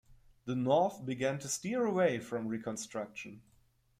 The North began to steer away from Reconstruction.